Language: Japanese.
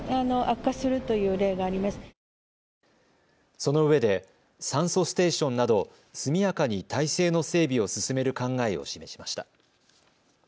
そのうえで酸素ステーションなど速やかに体制の整備を進める考えを示しました。